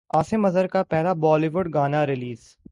عاصم اظہر کا پہلا Bollywood گانا ریلیز